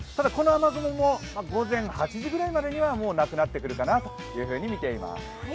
この雨雲も午前８時ぐらいにはもうなくなってくるかなというふうに見ています。